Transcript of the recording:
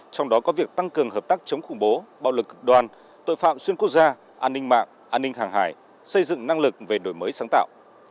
trong đó có việc tăng cường hợp tác chống khủng bố bạo lực cực đoan tội phạm xuyên quốc gia an ninh mạng an ninh hàng hải xây dựng năng lực về đổi mới sáng tạo